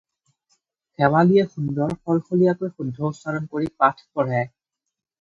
শেৱালীয়ে সুন্দৰ শলশলীয়কৈ শুদ্ধ উচ্চাৰণ কৰি পাঠ পঢ়ে।